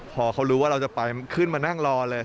พอเขารู้ว่าเราจะไปขึ้นมานั่งรอเลย